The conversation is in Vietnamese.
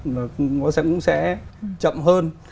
nó cũng sẽ chậm hơn